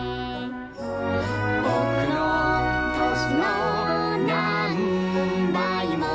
「ぼくのとしのなんばいも」